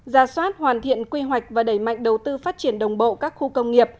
ra soát hoàn thiện quy hoạch và đẩy mạnh đầu tư phát triển đồng bộ các khu công nghiệp